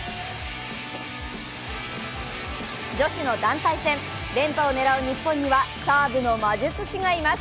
女子の団体戦連覇を狙う日本にはサーブの魔術師がいます。